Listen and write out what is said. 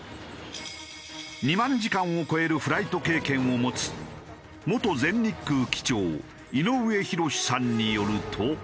２万時間を超えるフライト経験を持つ元全日空機長井上博さんによると。